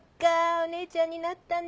お姉ちゃんになったね。